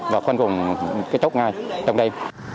và khoanh cùng kết thúc ngay trong đây